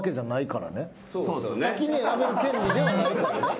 先に選べる権利ではないから。